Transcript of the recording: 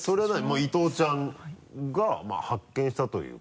伊東ちゃんが発見したというか。